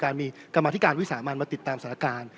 การมีกรรมาธิการวิสามารมาติดตามศาลการ